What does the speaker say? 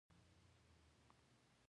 موږ یوازې په یو وخت کې ادعا کولای شو.